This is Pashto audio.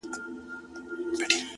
له دغي خاوري مرغان هم ولاړل هجرت کوي،